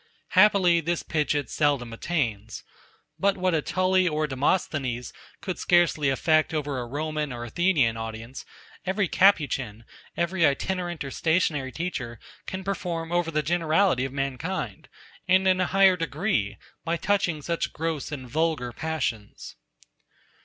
Happily, this pitch it seldom attains. But what a Tully or a Demosthenes could scarcely effect over a Roman or Athenian audience, every Capuchin, every itinerant or stationary teacher can perform over the generality of mankind, and in a higher degree, by touching such gross and vulgar passions.